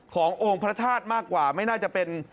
ขององค์พระธาตุมากกว่าไม่น่าจะเป็น